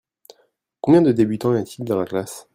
Combien de débutants y a-t-il dans la classe ?